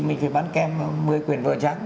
mình phải bán kèm một mươi quyển vở trắng